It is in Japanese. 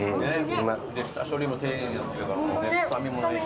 下処理も丁寧にやってるから臭みもないし。